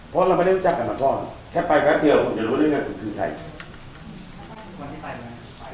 เพราะเราไม่ได้รู้จักกันมาก่อนแค่ไปแป๊บเดียวผมจะรู้ได้ว่าคุณคือใคร